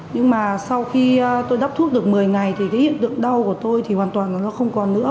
nhưng mà sau khi tôi đắp thuốc được một mươi ngày thì hiện tượng đau của tôi hoàn toàn không còn nữa